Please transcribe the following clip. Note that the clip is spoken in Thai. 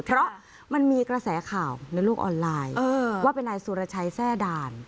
เพราะมันมีกระแสข่าวในโลกออนไลน์ว่าเป็นนายสุรชัยแทร่ด่าน